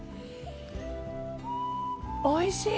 おいしい！